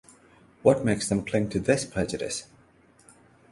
What makes them cling to this prejudice?